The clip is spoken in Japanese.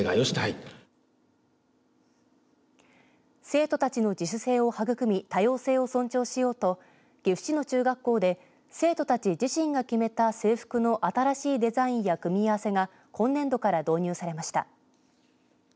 生徒たちの自主性を育み多様性を尊重しようと岐阜市の中学校で生徒たち自身が決めた制服の新しいデザインや組み合わせが今年度から導入されました。